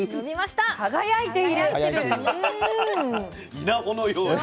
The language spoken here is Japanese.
稲穂のように。